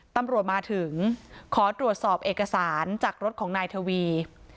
ตำรวจมาถึงขอตรวจสอบเอกสารจากรถของนายทวี